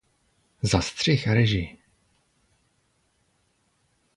Za střih a režii.